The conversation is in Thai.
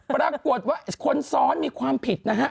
ปรากฏว่าคนซ้อนมีความผิดนะฮะ